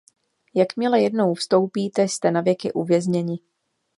Jakmile jednou vstoupíte, jste navěky uvězněni.